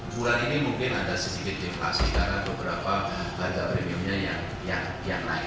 bulan ini mungkin ada sedikit deflasi karena beberapa laga premiumnya yang naik